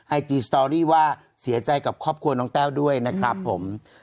ไอจีสตอรี่ว่าเสียใจกับครอบครัวน้องแต้วด้วยนะครับผม